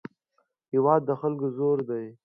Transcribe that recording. هېواد د خلکو زور دی.